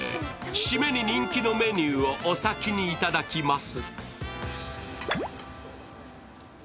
締めに人気のメニューをお先にいただきます。